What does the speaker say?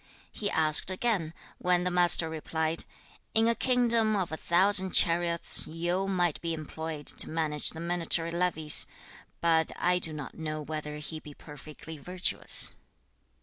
2. He asked again, when the Master replied, 'In a kingdom of a thousand chariots, Yu might be employed to manage the military levies, but I do not know whether he be perfectly virtuous.'